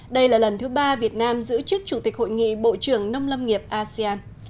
đây là lần thứ ba việt nam giữ chức chủ tịch hội nghị bộ trưởng nông lâm nghiệp asean